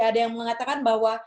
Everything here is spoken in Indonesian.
ada yang mengatakan bahwa